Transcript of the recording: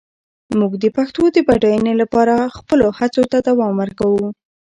موږ د پښتو د بډاینې لپاره خپلو هڅو ته دوام ورکوو.